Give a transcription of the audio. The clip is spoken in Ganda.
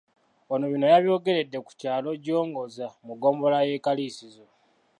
Ono bino yabyogeredde ku kyalo Jongoza mu ggombolola y'e Kaliisizo.